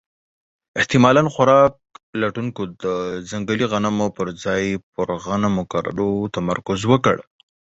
احتمالاً خوراک لټونکو د ځنګلي غنمو پر ځای پر غنمو کرلو تمرکز وکړ.